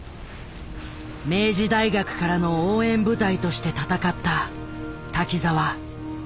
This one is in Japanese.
明治大学からの応援部隊として闘った瀧澤。